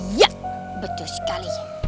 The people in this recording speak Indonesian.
iya betul sekali ya